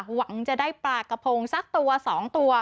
หวังจะได้ปลากระพงสักตัว๒ตัว